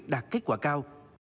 đạt kết quả cao